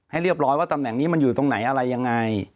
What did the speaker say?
ให้เรียบร้อยว่าตำแหน่งนี้มันอยู่ตรงไหนอะไรยังไง